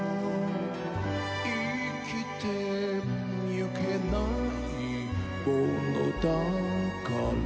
「生きてゆけないものだから」